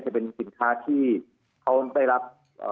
จะเป็นสินค้าที่เขาได้รับ